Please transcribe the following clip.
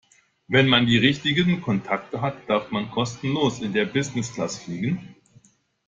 Wenn man die richtigen Kontakte hat, darf man kostenlos in der Business-Class fliegen.